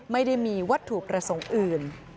ไม่ได้มีวัตถุประสงค์อื่น